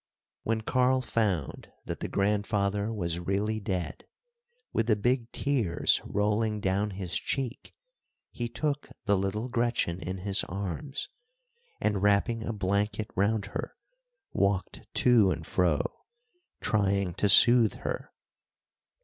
When Karl found that the grandfather was really dead, with the big tears rolling down his cheek, he took the little Gretchen in his arms, and wrapping a blanket round her, walked to and fro, trying to soothe her.